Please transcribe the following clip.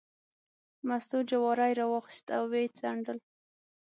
مستو جواری راواخیست او یې څنډل.